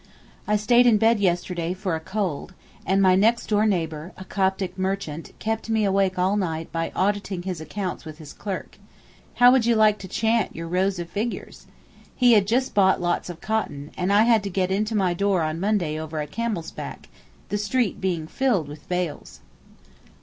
I stayed in bed yesterday for a cold, and my next door neighbour, a Coptic merchant, kept me awake all night by auditing his accounts with his clerk. How would you like to chant your rows of figures? He had just bought lots of cotton, and I had to get into my door on Monday over a camel's back, the street being filled with bales.